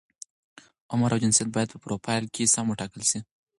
عمر او جنسیت باید په فروفیل کې سم وټاکل شي.